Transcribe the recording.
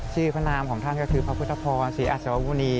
พระนามของท่านก็คือพระพุทธพรศรีอัศวุณี